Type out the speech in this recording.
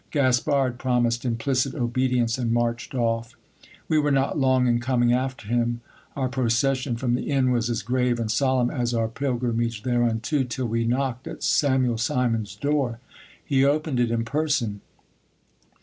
Gaspard promised implicit obedience, and marched off. We were not long in coming after him : our procession from the inn was as grave and solemn as our pilgrimage thereunto, till we knocked at Samuel Simon's door. He opened it in person.